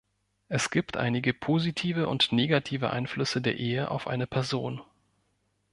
Es gibt einige positive und negative Einflüsse der Ehe auf eine Person.